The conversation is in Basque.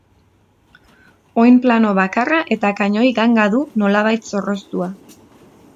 Oinplano bakarra eta kanoi ganga du, nolabait zorroztua.